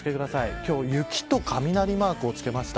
今日、雪と雷マーク付けました。